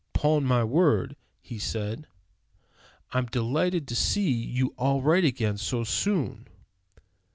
"'Pon my word," he said, "I'm delighted to see you all right again so soon."